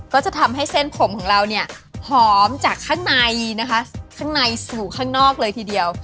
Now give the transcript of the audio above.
ก็จะทำให้เส้นผมของเราเนี่ยหอมจากข้างในนะคะข้างในสู่ข้างนอกเลยทีเดียว